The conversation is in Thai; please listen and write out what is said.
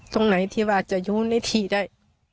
ตรงไหนที่ว่าจะอยู่ในที่ได้